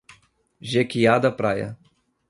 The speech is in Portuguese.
Jequiá da Praia